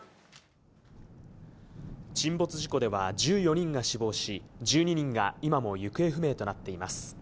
沈没事故では１４人が死亡し、１２人が今も行方不明となっています。